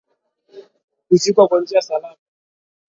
kuzikwa kwa njia salama